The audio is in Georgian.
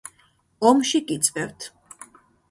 ომში გიწვევთ